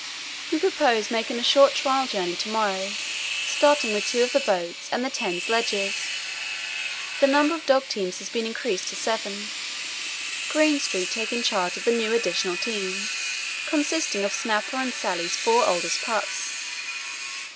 We propose making a short trial journey to morrow, starting with two of the boats and the ten sledges. The number of dog teams has been increased to seven, Greenstreet taking charge of the new additional team, consisting of Snapper and Sallie's four oldest pups.